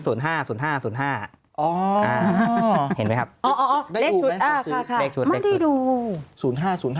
อ๋อเห็นไหมครับได้ดูไหมค่ะเลขชุดไม่ได้ดู